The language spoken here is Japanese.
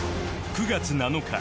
９月７日